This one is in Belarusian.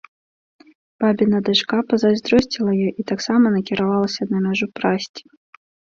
Бабіна дачка пазайздросціла ёй і таксама накіравалася на мяжу прасці.